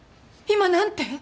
今何て？